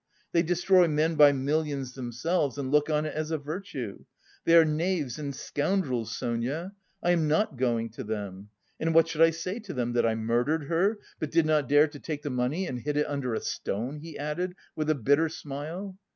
They destroy men by millions themselves and look on it as a virtue. They are knaves and scoundrels, Sonia! I am not going to them. And what should I say to them that I murdered her, but did not dare to take the money and hid it under a stone?" he added with a bitter smile.